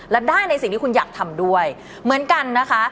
และได้ในสิ่งที่คุณอยากทำด้วยเหมือนกันนะคะ